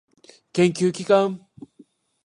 研究機関